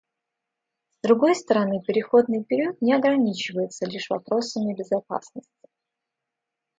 С другой стороны, переходный период не ограничивается лишь вопросами безопасности.